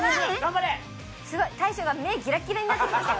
すごい大将が目ギラッギラになってきましたよ。